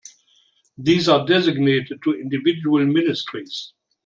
These are designated to individual ministries.